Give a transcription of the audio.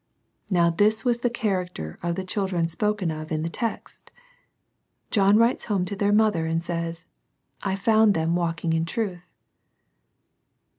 Now this was the character of the children spoken of in the text. — John writes home to their mother, and says, " I found them walking in truth."